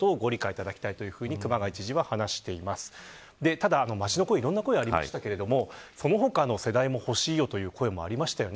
ただ、街の声いろんな声がありましたがその他の世代も欲しいよという声がありました。